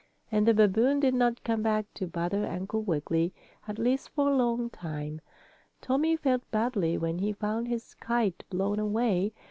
And the babboon did not come back to bother Uncle Wiggily, at least for a long time. Tommie felt badly when he found his kite blown away.